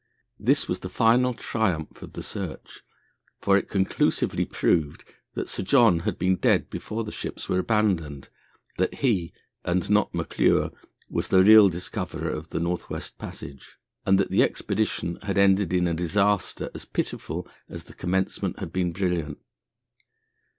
This was the final triumph of the search, for it conclusively proved that Sir John had been dead before the ships were abandoned, that he, and not McClure, was the real discoverer of the North West Passage, and that the expedition had ended in a disaster as pitiful as the commencement had been brilliant.